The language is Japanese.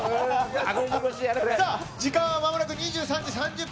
さあ、時間はまもなく２３時３０分。